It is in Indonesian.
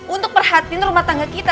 untuk perhatikan rumah tangga kita